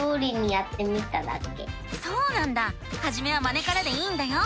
そうなんだはじめはまねからでいいんだよ！